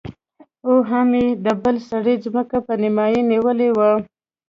او هم يې د بل سړي ځمکه په نيمايي نيولې وه.